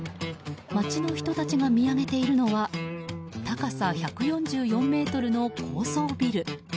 街の人たちが見上げているのは高さ１４４ｍの高層ビル。